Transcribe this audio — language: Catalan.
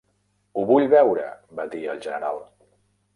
"Ho vull veure", va dir el general.